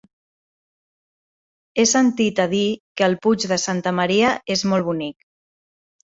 He sentit a dir que el Puig de Santa Maria és molt bonic.